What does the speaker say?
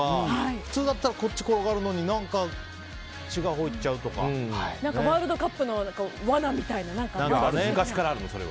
普通だったらこっちに転がるのにワールドカップの昔からあるの。